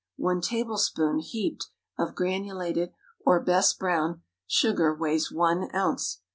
One tablespoon (heaped) of granulated, or best brown, sugar weighs one ounce.